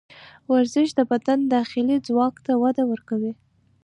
ورزش د بدن داخلي ځواک ته وده ورکوي.